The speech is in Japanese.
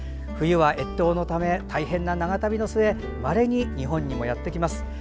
冬は越冬のため、大変な長旅の末まれに日本にもやってきます。